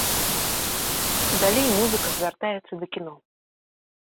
Далей музыка звяртаецца да кіно.